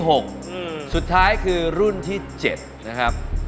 รุ่นที่๖สุดท้ายคือรุ่นที่๗นะครับ